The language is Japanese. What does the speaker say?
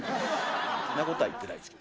んなことは言ってないですけどねええ。